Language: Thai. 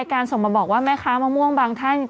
การส่งมาบอกว่าแม่ค้ามะม่วงบางท่าน